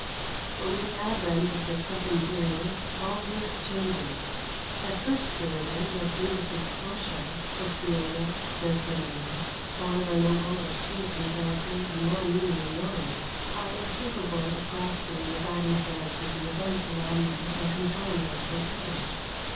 But with the advent of the second period all this changes. At first the women, like Brutus' Portia, Ophelia, Desdemona, however noble or sweet in character and well meaning in motive, are incapable of grasping the guiding threads of the events around them and controlling them for good.